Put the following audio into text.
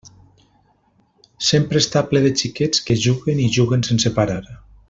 Sempre està ple de xiquets que juguen i juguen sense parar.